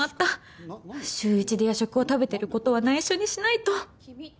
週１で夜食を食べてる事は内緒にしないと！